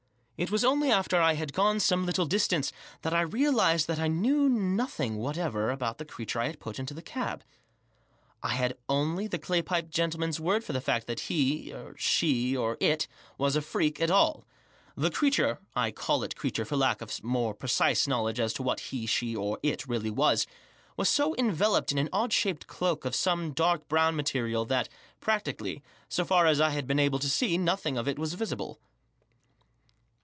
It was only after I had gone some little distance that I realised that I knew nothing whatever about the creature I had put into the cab, I had only the clay piped gentleman's word fpr the fact that he, she, or it was a freak at all The creature ^I call it creature for lack of more precise knowledge as tQ what he, she, or it, really was^was so enveloped in an odd $haped cloak of $ome dark brown material, that, practically, so far as I had been able to see, nothing of it was visible.